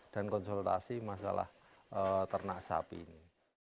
dan konsultasi masalah ternak sapi ini